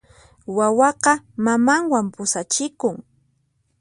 Wawaqa mamanwan pusachikun.